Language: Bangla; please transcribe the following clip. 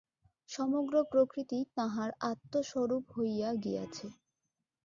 সমগ্র প্রকৃতিই তাঁহার আত্মস্বরূপ হইয়া গিয়াছে।